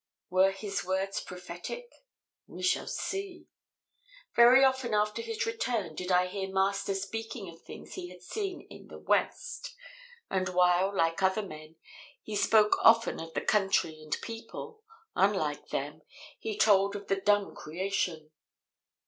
Were his words prophetic? We shall see. Very often after his return did I hear Master speaking of things he had seen in the "West," and while, like other men, he spoke often of the country and people, unlike them, he told of the dumb creation.